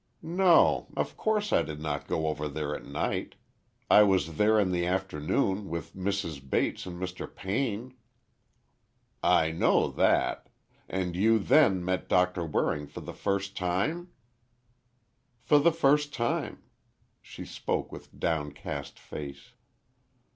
"No; of course I did not go over there at night. I was there in the afternoon, with Mrs. Bates and Mr. Payne." "I know that. And you then met Doctor Waring for the first time?" "For the first time," she spoke with downcast face.